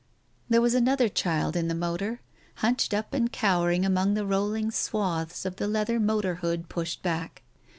There was another child in the motor, hunched up and cowering among the rolling swathes of the leather motor hood pushed back.